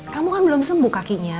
kamu kan belum sembuh kakinya